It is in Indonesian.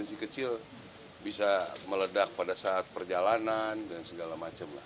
kondisi kecil bisa meledak pada saat perjalanan dan segala macam lah